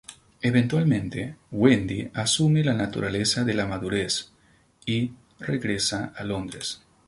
Eventualmente Wendy asume la naturaleza de la madurez y regresa a Londres.